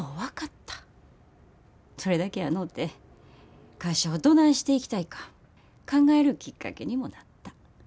それだけやのうて会社をどないしていきたいか考えるきっかけにもなった。